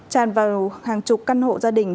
tràn vào hàng chục căn hộ gia đình